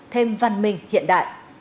thêm văn minh hiện đại